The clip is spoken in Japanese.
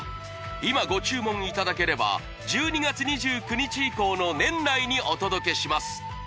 今ご注文いただければ１２月２９日以降の年内にお届けします